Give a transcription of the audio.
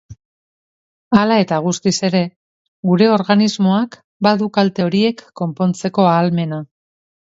Hala eta guztiz ere, gure organismoak badu kalte horiek konpontzeko ahalmena.